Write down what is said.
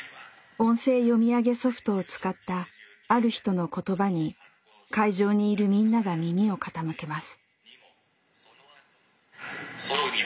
音声読み上げソフトを使ったある人の言葉に会場にいるみんなが耳を傾けます。